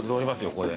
ここで。